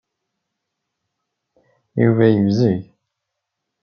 Yuba yebzeg.